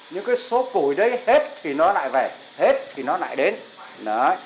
những cái số củi đấy hết thì nó lại về hết thì nó lại đến